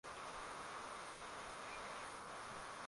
huku akifanya biashara haramu ya fedha yenye dhamani